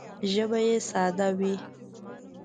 ژبه یې ساده وي